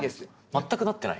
全くなってない？